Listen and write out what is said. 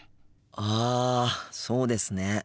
ああそうですね。